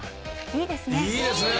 いいですね。